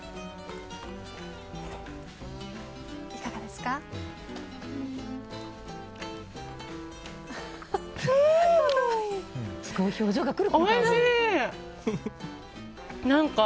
いかがですか？